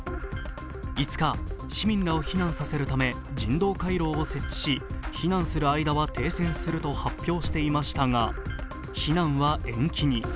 ５日、市民らを避難させるため人道回廊を設置し、避難する間は停戦すると発表していましたが、避難は延期に。